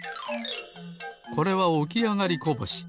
これはおきあがりこぼし。